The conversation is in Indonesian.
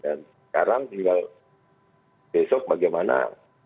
dan sekarang tinggal besok bagaimana